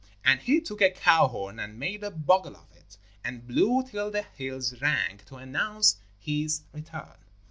And he took a cow horn and made a bugle of it and blew till the hills rang, to announce his return.